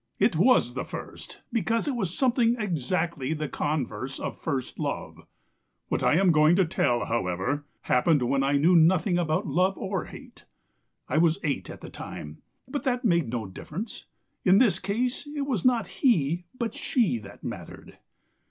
It was the first, because it was something exactly the converse of first love. What I am going to tell, however, happened when I knew nothing about love or hate. I was eight at the time, but that made no difference; in this case it was not he but she that mattered.